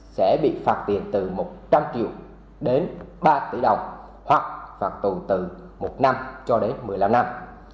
sẽ bị phạt tiền từ một trăm linh triệu đến ba tỷ đồng hoặc phạt tù từ một năm cho đến một mươi năm năm